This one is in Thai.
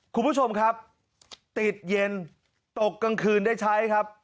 คุณผู้ชมครับติดเย็นตกกลางคืนได้ใช้ครับ